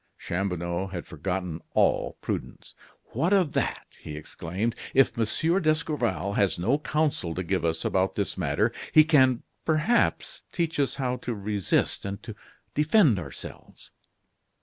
Chanlouineau had forgotten all prudence. "What of that?" he exclaimed. "If Monsieur d'Escorval has no counsel to give us about this matter, he can, perhaps, teach us how to resist and to defend ourselves."